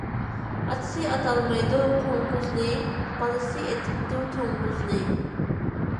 ئاتىسى ئاتالمايدۇ قوڭغۇزنى، بالىسى ئېتىپتۇ توڭگۇزنى.